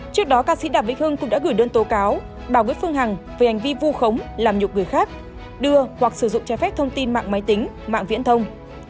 trước đó ca sĩ đạp vĩnh hưng cũng đã gửi đơn tố cáo bảo với phương hằng về hành vi vu khống làm nhục người khác đưa hoặc sử dụng trái phép thông tin mạng máy tính mạng viễn thông